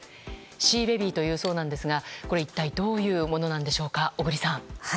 シーベビーというそうなんですがこれは一体どういうものなんでしょうか小栗さん。